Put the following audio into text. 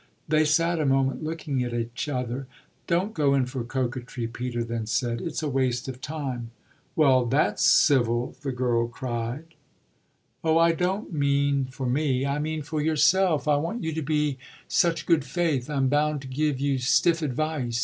They sat a moment looking at each other. "Don't go in for coquetry," Peter then said. "It's a waste of time." "Well, that's civil!" the girl cried. "Oh I don't mean for me, I mean for yourself I want you to be such good faith. I'm bound to give you stiff advice.